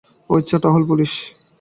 ও আচ্ছা, টহল পুলিশ।